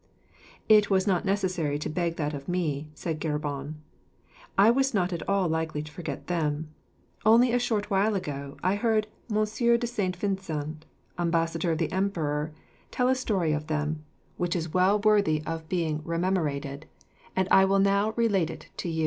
"It was not necessary to beg that of me," said Geburon; "I was not at all likely to forget them. Only a short while ago I heard Monsieur de Saint Vincent, Ambassador of the Emperor, tell a story of them which is well worthy of being rememorated and I will now relate it to you."